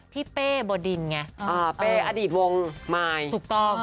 พี่เป้บดินไงอ่าเป้อดีตวงไมค์ถูกต้อง